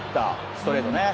ストレートね。